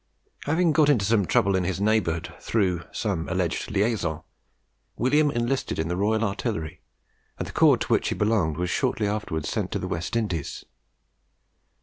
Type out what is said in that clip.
Having got into some trouble in his neighbourhood, through some alleged LIAISON, William enlisted in the Royal Artillery, and the corps to which he belonged was shortly after sent out to the West Indies.